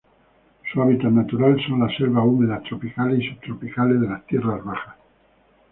Su hábitat natural son las selvas húmedas tropicales y subtropicales de las tierras bajas.